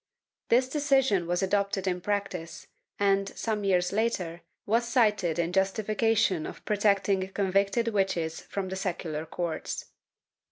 This decision was adopted in practice and, some years later, was cited in justi fication of protecting convicted witches from the secular courts.